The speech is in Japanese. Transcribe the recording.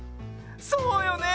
そうよね。